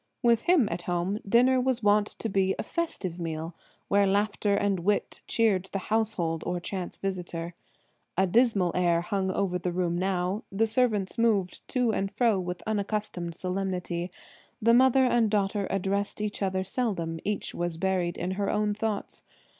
With him at home, dinner was wont to be a festive meal, where laughter and wit cheered the household or chance visitor. A dismal air hung over the room now; the servants moved to and fro with unaccustomed solemnity. The mother and daughter addressed each other seldom: each was buried in her own thoughts.